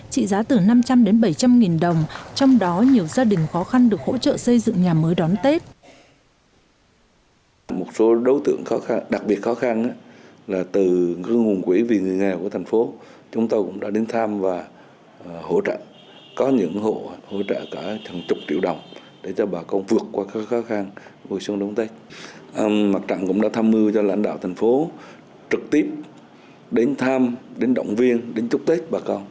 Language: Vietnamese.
trị giá từ năm trăm linh đến bảy trăm linh nghìn đồng trong đó nhiều gia đình khó khăn được hỗ trợ xây dựng nhà mới đón tết